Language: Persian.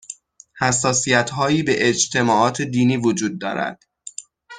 حساسیتهایی به اجتماعات دینی وجود دارد